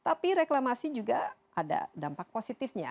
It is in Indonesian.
tapi reklamasi juga ada dampak positifnya